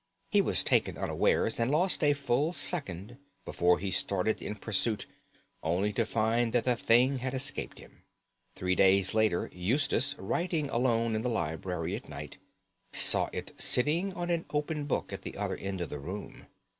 He was taken unawares, and lost a full second before he started in pursuit, only to find that the thing had escaped him. Three days later, Eustace, writing alone in the library at night, saw it sitting on an open book at the other end of the room.